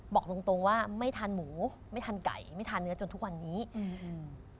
บอกตรงตรงว่าไม่ทานหมูไม่ทานไก่ไม่ทานเนื้อจนทุกวันนี้อืม